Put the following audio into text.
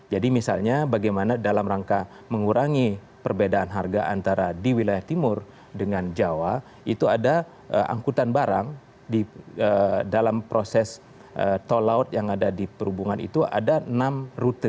jadi misalnya bagaimana dalam rangka mengurangi perbedaan harga antara di wilayah timur dengan jawa itu ada angkutan barang dalam proses tol laut yang ada di perhubungan itu ada enam rute